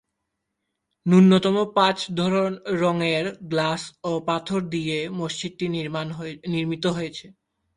ন্যূনতম পাঁচ রঙের গ্লাস ও পাথর দিয়ে মসজিদটি নির্মিত হয়েছে।